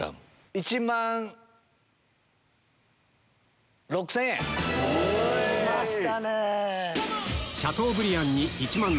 １万６０００円！来ましたね！